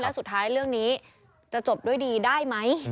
และสุดท้ายเรื่องนี้จะจบด้วยดีได้ไหม